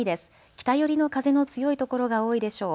北寄りの風の強い所が多いでしょう。